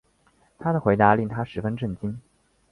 他的回答令她十分震惊